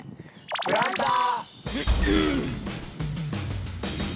「プランター」。